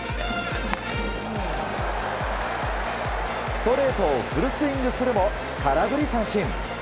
ストレートをフルスイングするも空振り三振。